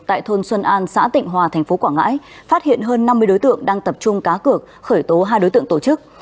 tại thôn xuân an xã tịnh hòa tp quảng ngãi phát hiện hơn năm mươi đối tượng đang tập trung cá cược khởi tố hai đối tượng tổ chức